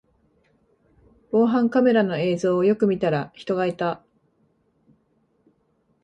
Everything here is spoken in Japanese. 防犯カメラの映像をよく見たら人がいた